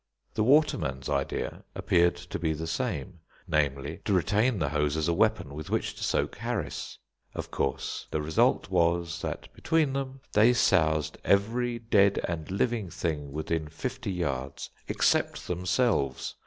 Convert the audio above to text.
The waterman's idea appeared to be the same, namely, to retain the hose as a weapon with which to soak Harris. Of course, the result was that, between them, they soused every dead and living thing within fifty yards, except themselves.